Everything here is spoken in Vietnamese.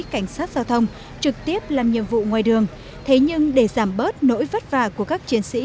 cảnh sát giao thông trực tiếp làm nhiệm vụ ngoài đường thế nhưng để giảm bớt nỗi vất vả của các chiến sĩ